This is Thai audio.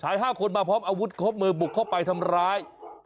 ๕คนมาพร้อมอาวุธครบมือบุกเข้าไปทำร้าย